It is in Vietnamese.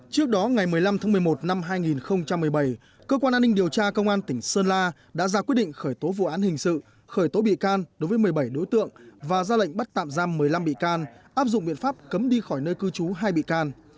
trước đó ngày một mươi năm tháng một mươi một năm hai nghìn một mươi bảy cơ quan an ninh điều tra công an tỉnh sơn la đã ra quyết định khởi tố vụ án hình sự khởi tố bị can đối với một mươi bảy đối tượng và ra lệnh bắt tạm giam một mươi năm bị can áp dụng biện pháp cấm đi khỏi nơi cư trú hai bị can